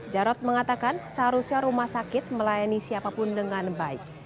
jarod mengatakan seharusnya rumah sakit melayani siapapun dengan baik